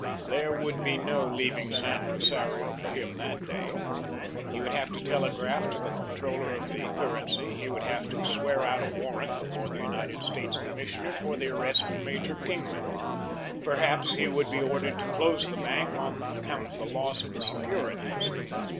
There would be no leaving San Rosario for him that day. He would have to telegraph to the Comptroller of the Currency; he would have to swear out a warrant before the United States Commissioner for the arrest of Major Kingman; perhaps he would be ordered to close the bank on account of the loss of the securities.